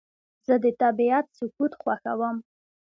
زه د طبیعت سکوت خوښوم.